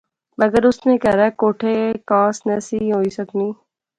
مگر اس نے کہھرے کوٹھے کانس نہسی ہوئی سکنی